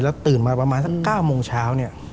แล้วตื่นมาประมาณสัก๙โมงเช้า